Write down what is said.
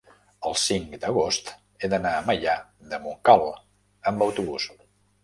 el cinc d'agost he d'anar a Maià de Montcal amb autobús.